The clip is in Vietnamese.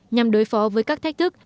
nhằm đối phó với các thách thức